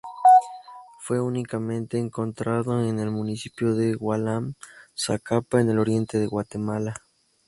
Fue únicamente encontrado en el municipio de Gualán, Zacapa, en el oriente de Guatemala.